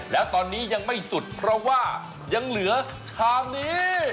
แล้วตอนนี้ยังไม่สุดเพราะว่ายังเหลือชามนี้